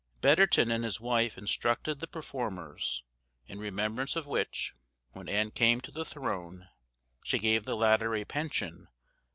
Betterton and his wife instructed the performers; in remembrance of which, when Anne came to the throne, she gave the latter a pension of £100 a year.